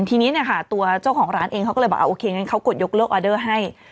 ทีนี้เนี่ยค่ะตัวเจ้าของร้านเองเขาก็เลยบอกโอเคงั้นเขากดยกเลิกออเดอร์ให้